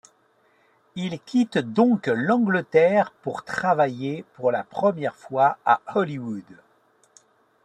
Il quitte donc l'Angleterre pour travailler pour la première fois à Hollywood.